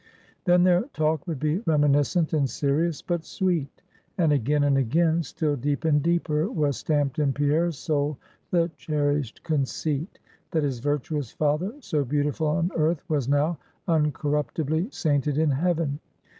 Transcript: Then their talk would be reminiscent and serious, but sweet; and again, and again, still deep and deeper, was stamped in Pierre's soul the cherished conceit, that his virtuous father, so beautiful on earth, was now uncorruptibly sainted in heaven.